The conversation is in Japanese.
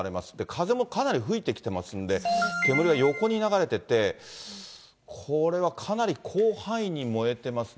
風もかなり吹いてきてますんで、煙が横に流れてて、これはかなり広範囲に燃えてますね。